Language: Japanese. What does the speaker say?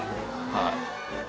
はい。